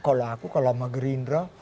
kalau aku kalau sama gerindra